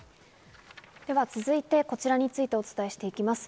続いて、こちらについてお伝えしていきます。